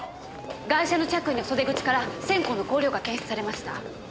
ガイシャの着衣の袖口から線香の香料が検出されました。